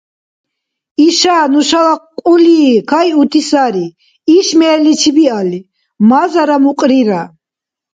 – Иша нушала кьули кайути сари, иш мерличи биалли – мазара мукьрира.